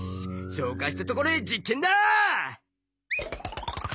消化したところで実験だ！